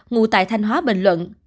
ngụ tại thanh hóa bình luận